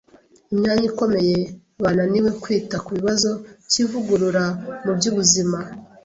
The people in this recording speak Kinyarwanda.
imyanya ikomeye bananiwe kwita ku kibazo cy’ivugurura mu by’ubuzima.